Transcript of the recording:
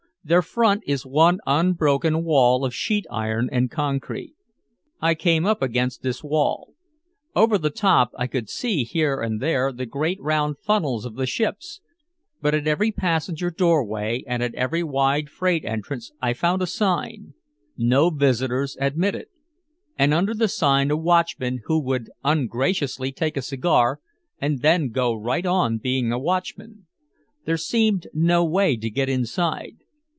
Their front is one unbroken wall of sheet iron and concrete. I came up against this wall. Over the top I could see here and there the great round funnels of the ships, but at every passenger doorway and at every wide freight entrance I found a sign, "No Visitors Admitted," and under the sign a watchman who would ungraciously take a cigar and then go right on being a watchman. There seemed no way to get inside.